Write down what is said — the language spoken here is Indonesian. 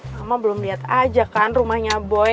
mama belum lihat aja kan rumahnya boy